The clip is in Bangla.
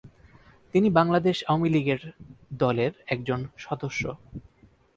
তিনি বাংলাদেশ আওয়ামী লীগের দলের একজন সদস্য।